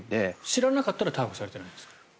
知らなかったら逮捕されてないんですか？